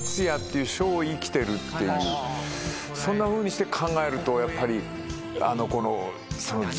そんなふうにして考えるとやっぱりあのこのその「族」。